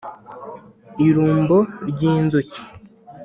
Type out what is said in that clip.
irumbo ry’inzuki